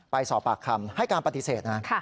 ไปสอบปากคำให้การปฏิเสธนะ